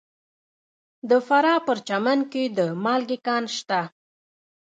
د فراه په پرچمن کې د مالګې کان شته.